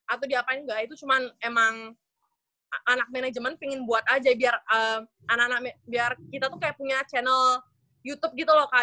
atau diapain nggak itu cuma emang anak manajemen pengen buat aja biar anak anak biar kita tuh kayak punya channel youtube gitu loh kak